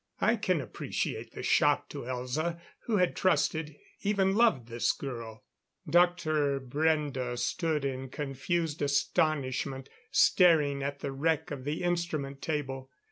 I can appreciate the shock to Elza, who had trusted, even loved this girl. Dr. Brende stood in confused astonishment, staring at the wreck of the instrument table.